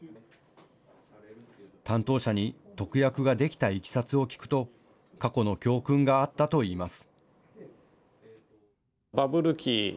担当者に特約ができたいきさつを聞くと過去の教訓があったといいます。